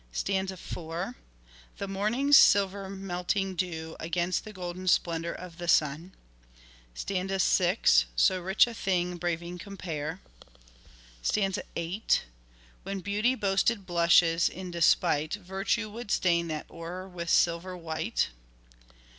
Stanza 4. "The morning's silver melting dew Against the golden splendour of the sun." Stanza 6. "So rich a thing braving compare." Stanza 8. '' When beauty boasted blushes, in despite Virtue would stain that o'er with silver white."